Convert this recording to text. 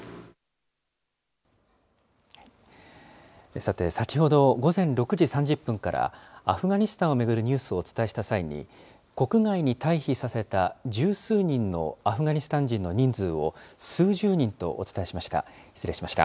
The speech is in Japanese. さて、先ほど、午前６時３０分からアフガニスタンを巡るニュースをお伝えした際に、国外に退避させた十数人のアフガニスタン人の人数を数十人とお伝えしました。